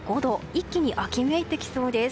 一気に秋めいてきそうです。